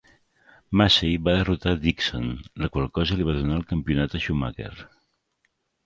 Massey va derrotar Dixon, la qual cosa li va donar el campionat a Schumacher.